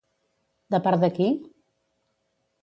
De part de qui?